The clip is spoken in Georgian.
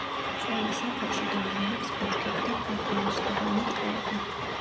მწვანე საფარში დომინირებს ბუჩქები და ფართომასშტაბიანი ტყეები.